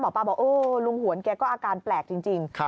ป้าบอกโอ้ลุงหวนแกก็อาการแปลกจริง